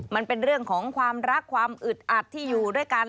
มันเป็นเรื่องของความรักความอึดอัดที่อยู่ด้วยกัน